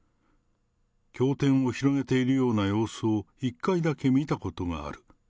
教典を広げているような様子を一回だけ見たことがある。